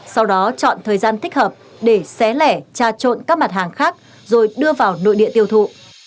sau đó chọn thời gian thích hợp để xé lẻ tra trộn các mặt hàng khác rồi đưa vào nội địa tiêu thụ